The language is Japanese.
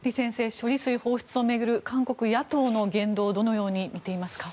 処理水放出を巡る韓国野党の言動をどのように見ていますか？